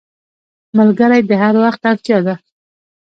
ملګری د هر وخت اړتیا ده